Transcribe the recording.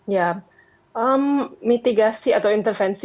ya mitigasi atau intervensi